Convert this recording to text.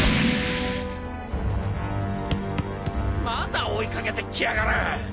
まだ追い掛けてきやがる！